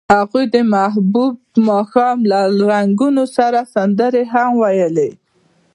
هغوی د محبوب ماښام له رنګونو سره سندرې هم ویلې.